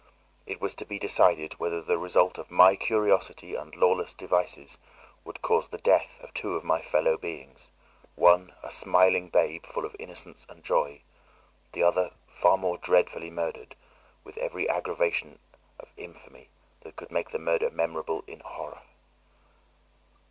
It was to be decided whether the result of my curiosity and lawless devices would cause the death of two of my fellow beings: one a smiling babe full of innocence and joy, the other far more dreadfully murdered, with every aggravation of infamy that could make the murder memorable in horror.